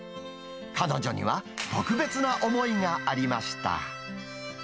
彼女には特別な思いがありました。